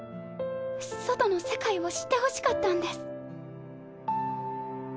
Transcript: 外の世界を知ってほしかったんです。